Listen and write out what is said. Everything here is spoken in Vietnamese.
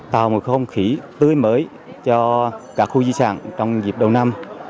tạo một không khí tươi mới cho các khu di sản trong dịp đầu năm